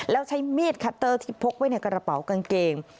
แล้วใช้มีดคัตเตอร์ที่พกไว้ในกระเป๋ากางเกง